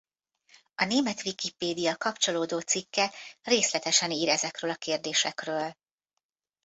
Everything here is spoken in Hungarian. A német Wikipedia kapcsolódó cikke részletesen ír ezekről a kérdésekről.